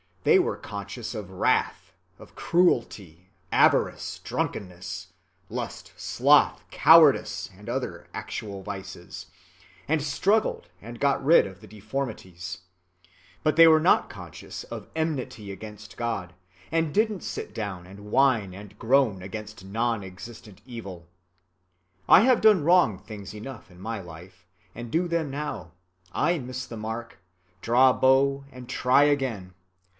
They were conscious of wrath, of cruelty, avarice, drunkenness, lust, sloth, cowardice, and other actual vices, and struggled and got rid of the deformities, but they were not conscious of 'enmity against God,' and didn't sit down and whine and groan against non‐ existent evil. I have done wrong things enough in my life, and do them now; I miss the mark, draw bow, and try again.